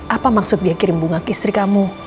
apa maksud dia kirim bunga ke istri kamu